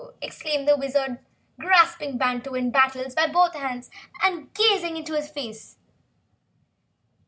exclaimed the Wizard, grasping Wantowin Battles by both arms and gazing into his face.